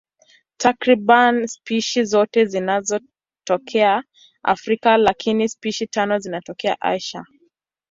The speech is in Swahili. Takriban spishi zote zinatokea Afrika, lakini spishi tano zinatokea Asia.